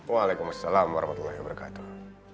waalaikumsalam warahmatullahi wabarakatuh